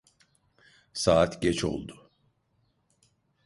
Saat geç oldu.